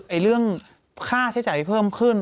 ไอ้เรื่องค่าใช้จ่ายเพิ่มขึ้น